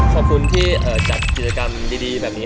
ขอบคุณที่จัดกิจกรรมดีแบบนี้